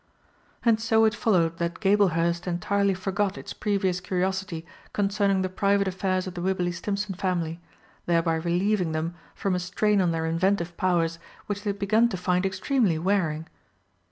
And so it followed that Gablehurst entirely forgot its previous curiosity concerning the private affairs of the Wibberley Stimpson family, thereby relieving them from a strain on their inventive powers which they had begun to find extremely wearing.